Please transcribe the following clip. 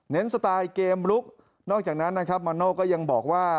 สไตล์เกมลุกนอกจากนั้นนะครับมาโน่ก็ยังบอกว่า